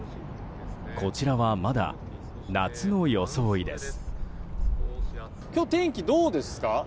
こちらはまだ夏の装いです。